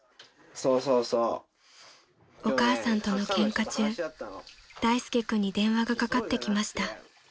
［お母さんとのケンカ中大介君に電話がかかってきました］